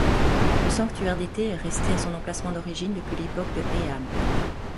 Le sanctuaire d'été est resté à son emplacement d'origine depuis l'époque de Heian.